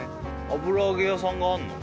油揚げ屋さんがあんの？